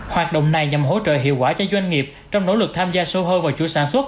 hoạt động này nhằm hỗ trợ hiệu quả cho doanh nghiệp trong nỗ lực tham gia sâu hơn vào chuỗi sản xuất